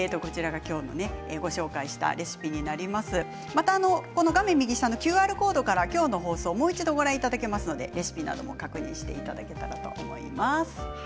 また画面右下のＱＲコードから今日の放送をもう一度ご覧いただけますのでレシピなども確認していただけたらと思います。